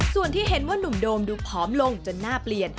ส่วนที่เห็นว่านุ่มโดมดูผอมลงจนหน้าเปลี่ยน